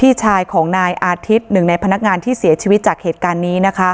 พี่ชายของนายอาทิตย์หนึ่งในพนักงานที่เสียชีวิตจากเหตุการณ์นี้นะคะ